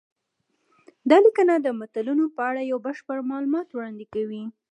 دا لیکنه د متلونو په اړه یو بشپړ معلومات وړاندې کوي